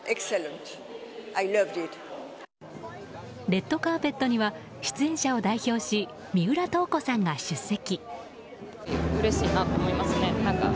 レッドカーペットには出演者を代表し三浦透子さんが出席。